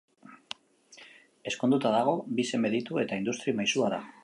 Ezkonduta dago, bi seme ditu eta industri maisua da.